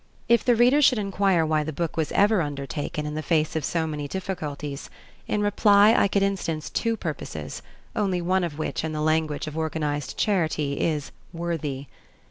If the reader should inquire why the book was ever undertaken in the face of so many difficulties, in reply I could instance two purposes, only one of which in the language of organized charity, is "worthy."